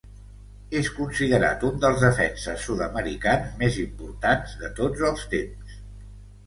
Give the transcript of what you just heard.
És considerat un dels defenses sud-americans més importants de tots els temps.